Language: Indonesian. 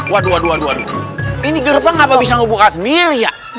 waduh ini gerbang apa bisa ngebuka sendiri ya